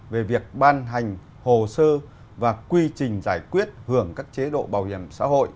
về việc ban hành hồ sơ và quy trình giải quyết hưởng các chế độ bảo hiểm xã hội